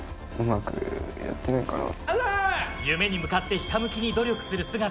夢に向かってひた向きに努力する姿。